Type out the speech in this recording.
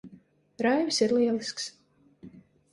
Raivis ir lielisks.